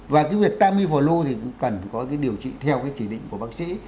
và cái việc tamiflu thì cũng cần có cái điều trị theo cái chỉ định của bác sĩ